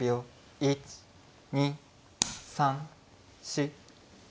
１２３４。